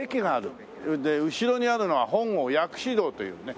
で後ろにあるのは本郷薬師堂というね。